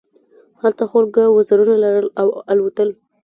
هلته خلکو وزرونه لرل او الوتل.